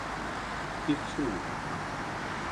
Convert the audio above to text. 得取